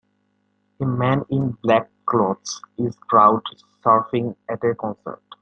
A man in black clothes is crowd surfing at a concert.